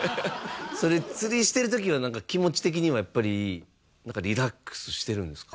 それ釣りしてる時は気持ち的にはやっぱりリラックスしてるんですか？